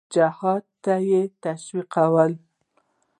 جهاد ته یې تشویقول.